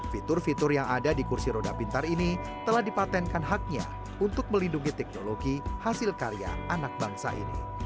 fitur fitur yang ada di kursi roda pintar ini telah dipatenkan haknya untuk melindungi teknologi hasil karya anak bangsa ini